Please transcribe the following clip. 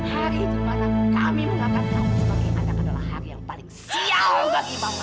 hari kemarin kami mengangkat tahun sebagai anak adalah hari yang paling sial bagi kamu